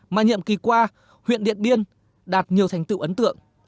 mà nhiệm kỳ qua huyện điện biên đạt nhiều thành tựu ấn tượng